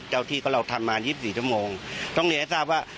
เจ้าที่ก็เราทำมายิบสี่ชั่วโมงต้องเหนียวให้ทราบว่า